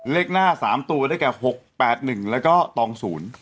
เลขหน้า๓ตัวได้แก่๖๘๑แล้วก็ตองศูนย์